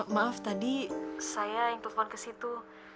maaf tadi saya yang telepon ke situ